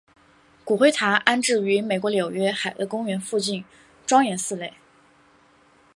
骨灰坛安置于美国纽约海德公园附近庄严寺内。